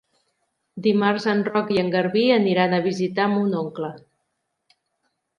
Dimarts en Roc i en Garbí aniran a visitar mon oncle.